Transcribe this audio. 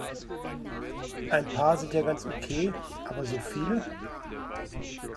Ein paar sind ja ganz okay, aber so viele?